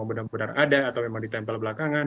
benar benar ada atau memang ditempel belakangan